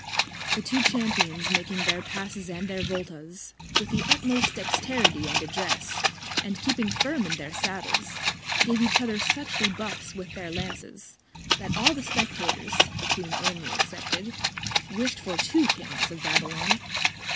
The two Champions making their Passes and their Volta's, with the utmost Dexterity and Address, and keeping firm in their Saddles, gave each other such Rebuffs with their Lances, that all the Spectators (the Queen only excepted) wish'd for two Kings of Babylon.